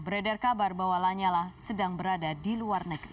beredar kabar bahwa lanyala sedang berada di luar negeri